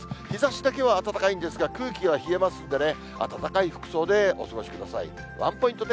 日ざしだけは暖かいんですが、空気は冷えますんでね、暖かい服装でお過ごしください。